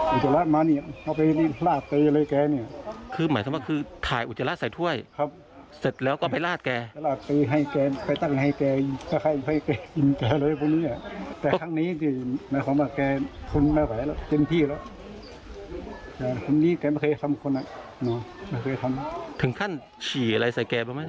วิทยาลาศดึงทำอะไรแกหลายแต่แกไม่ตอบไม่ต้องตอบ